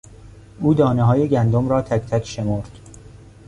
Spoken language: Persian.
او دانههای گندم را تکتک شمرد.